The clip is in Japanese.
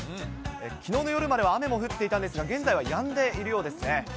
きのうの夜までは雨も降っていたんですが、現在はやんでいるようですね。